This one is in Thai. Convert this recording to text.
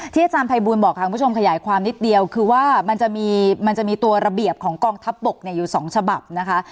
อาจารย์ภัยบูลบอกค่ะคุณผู้ชมขยายความนิดเดียวคือว่ามันจะมีตัวระเบียบของกองทัพบกอยู่๒ฉบับนะคะ